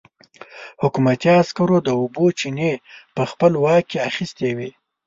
حکومتي عسکرو د اوبو چينې په خپل واک کې اخيستې وې.